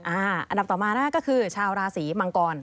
อันดับต่อมานะก็คือชาวราศีมังกร